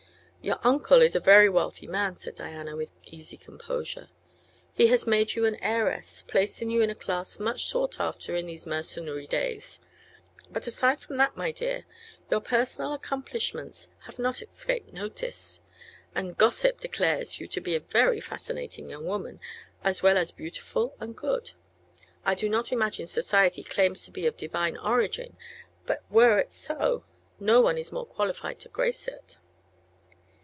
"Your uncle is a very wealthy man," said Diana, with easy composure. "He has made you an heiress, placing you in a class much sought after in these mercenary days. But aside from that, my dear, your personal accomplishments have not escaped notice, and gossip declares you to be a very fascinating young woman, as well as beautiful and good. I do not imagine society claims to be of divine origin, but were it so no one is more qualified to grace it."